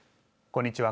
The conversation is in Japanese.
こんにちは。